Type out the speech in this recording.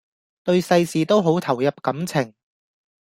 對世事都好投入感情⠀